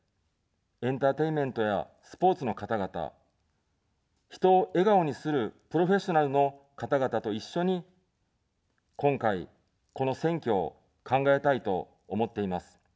エンターテインメントやスポーツの方々、人を笑顔にするプロフェッショナルの方々と一緒に、今回、この選挙を考えたいと思っています。